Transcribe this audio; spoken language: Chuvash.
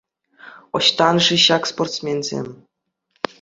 Ӑҫтан-ши ҫак спортсменсем?